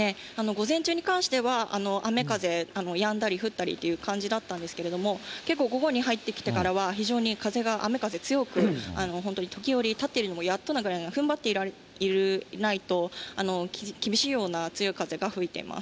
午前中に関しては、雨風、やんだり降ったりという感じだったんですけれども、結構、午後に入ってきてからは、非常に風が、雨風強く、本当に時折、立っているのもやっとなぐらいな、踏ん張っていないと厳しいような強い風が吹いています。